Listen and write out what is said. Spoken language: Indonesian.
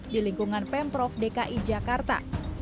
di lingkungan pemprov dki jakarta